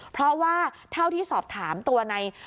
เพราะว่าเท่าที่สอบถามตัวใน